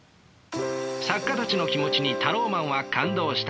作家たちの気持ちにタローマンは感動した。